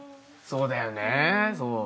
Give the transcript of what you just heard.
そうだよね。